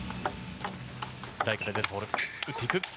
打っていく。